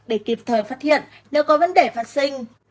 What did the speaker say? để kịp thời phát hiện nếu có vấn đề phát sinh